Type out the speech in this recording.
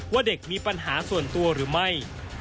ว่าเด็กมีปัญหาส่วนตัวหรือไม่